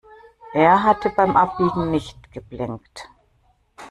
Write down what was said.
Er hatte beim Abbiegen nicht geblinkt.